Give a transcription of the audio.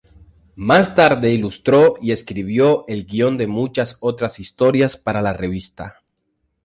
Más tarde ilustró y escribió el guion de muchas otras historias para la revista.